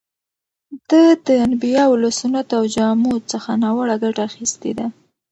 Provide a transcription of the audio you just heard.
ده د انبیاوو له سنتو او جامو څخه ناوړه ګټه اخیستې ده.